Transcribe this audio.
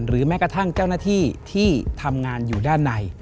แม้กระทั่งเจ้าหน้าที่ที่ทำงานอยู่ด้านใน